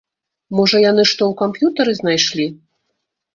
Можа яны што ў камп'ютары знайшлі?